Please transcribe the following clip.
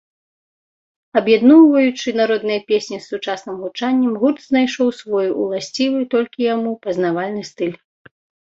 Аб'ядноўваючы народныя песні з сучасным гучаннем, гурт знайшоў свой, уласцівы толькі яму, пазнавальны стыль.